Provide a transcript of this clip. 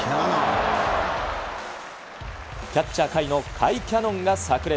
キャッチャー、甲斐の甲斐キャノンがさく裂。